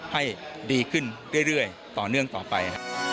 ให้ดีขึ้นเรื่อยต่อเนื่องต่อไป